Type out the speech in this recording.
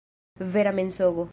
Vera mensogo.